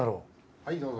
はいどうぞ。